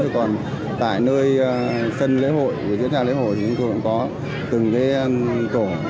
còn tại nơi sân lễ hội diễn ra lễ hội chúng tôi cũng có từng tổ